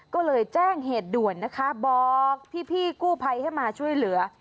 ก็เลยแจ้งเหตุด่วนนะคะบอกพี่กู้ภัยให้มาช่วยเหลือ